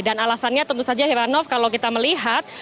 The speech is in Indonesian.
dan alasannya tentu saja heranov kalau kita melihat